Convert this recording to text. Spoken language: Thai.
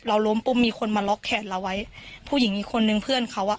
ล้มปุ๊บมีคนมาล็อกแขนเราไว้ผู้หญิงอีกคนนึงเพื่อนเขาอ่ะ